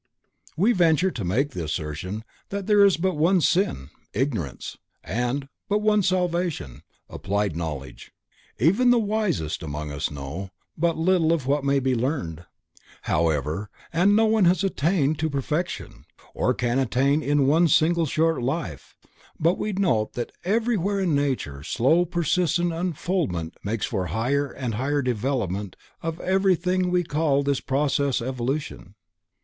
We venture to make the assertion that there is but one sin: Ignorance and but one salvation: Applied Knowledge. Even the wisest among us know but little of what may be learned, however, and no one has attained to perfection, or can attain in one single short life, but we note that everywhere in nature slow persistent unfoldment makes for higher and higher development of every thing and we call this process evolution.